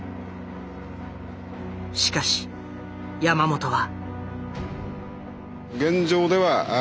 しかし山本は。